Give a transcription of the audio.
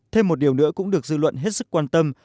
thêm một điều nữa cũng được dư luận hết sức quan tâm